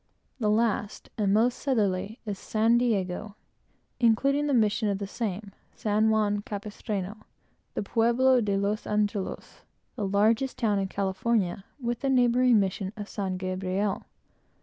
The last, and most southerly, is San Diego, including the mission of the same, San Juan Campestrano, the Pueblo de los Angelos, the largest town in California, with the neighboring mission of San Gabriel.